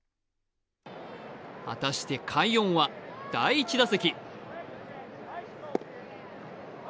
果たして快音は第１打席。